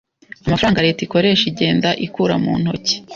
Amafaranga leta ikoresha igenda ikura mu ntoki.